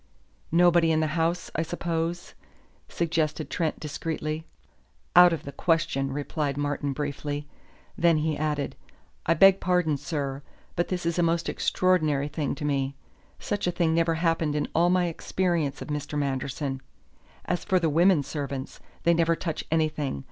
"Nobody in the house, I suppose " suggested Trent discreetly. "Out of the question," replied Martin briefly. Then he added: "I beg pardon, sir, but this is a most extraordinary thing to me. Such a thing never happened in all my experience of Mr. Manderson. As for the women servants, they never touch anything.